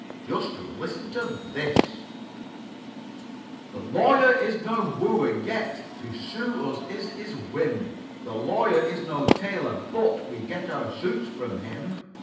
"Just listen to this: "The Lawyer is no wooer, yet To sue us is his whim. The Lawyer is no tailor, but We get our suits from him.